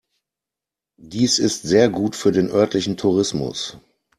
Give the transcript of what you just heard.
Dies ist sehr gut für den örtlichen Tourismus.